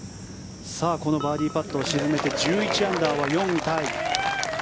このバーディーパットを沈めて１１アンダーは４位タイ。